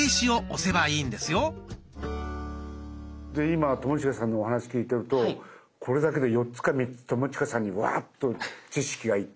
今友近さんのお話聞いてるとこれだけで４つか３つ友近さんにわっと知識が行ってですね